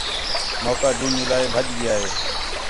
موقع جوں مِلا ہے بَھڄ ڳِیا ہے